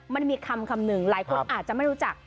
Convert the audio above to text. มันมีคำคำหนึ่งหลายคนอาจจะไม่รู้จัก